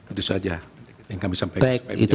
itu saja yang kami sampaikan